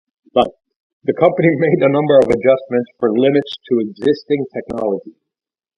The company made a number of adjustments for limits to existing technology.